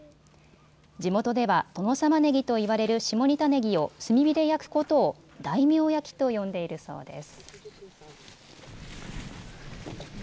地元では殿様ねぎと言われる下仁田ねぎを炭火で焼くことを大名焼きと呼んでいるそうです。